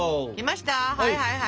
はいはいはい。